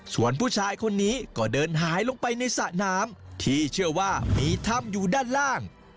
ส่วนผู้ชายคนนี้ก็เดินหายลงไปในสระน้ำที่เชื่อว่ามีถ้ำอยู่ด้านล่าง